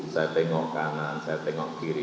saya tengok kanan saya tengok kiri